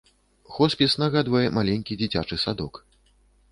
Хоспіс нагадвае маленькі дзіцячы садок.